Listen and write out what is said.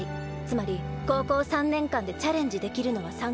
つまり高校３年間でチャレンジできるのは３回だけ。